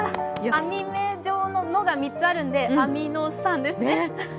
網目状の「の」が３つあるのでアミノ酸ですね。